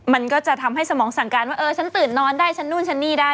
มันก็จะทำให้สมองสั่งการว่าเออฉันตื่นนอนได้ฉันนู่นฉันนี่ได้